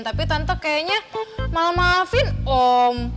tapi tante kayaknya malah maafin om